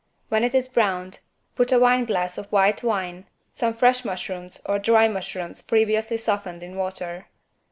When it is browned, put a wineglass of white wine, some fresh mushrooms, or dry mushrooms previously softened in water.